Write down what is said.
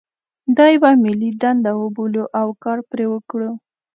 دا یوه ملي دنده وبولو او کار پرې وکړو.